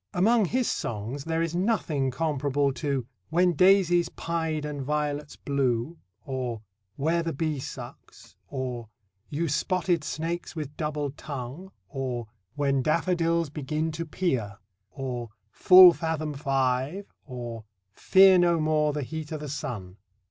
Among his songs there is nothing comparable to "When daisies pied and violets blue," or "Where the bee sucks," or "You spotted snakes with double tongue," or "When daffodils begin to peer," or "Full fathom five," or "Fear no more the heat o' the sun."